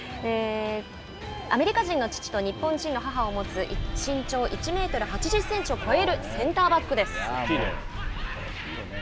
アメリカ人の父と日本人の母を持つ身長１メートル８０センチを超えるセンターバックです。